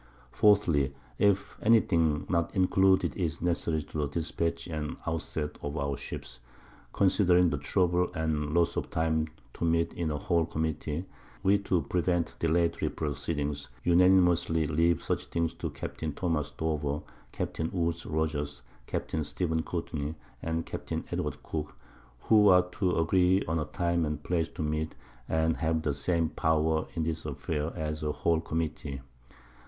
_ 4thly, _If any thing not included is necessary to the Dispatch and Out set of our Ships, considering the Trouble and Loss of Time, to meet in a whole Committee, we to prevent dilatory Proceedings, unanimously leave such things to Capt._ Thomas Dover, Capt. Woodes Rogers, Capt. Stephen Courtney, and Capt. Edward Cooke, _who are to agree on a Time and Place to meet, and have the same Power in this Affair as a whole Committee.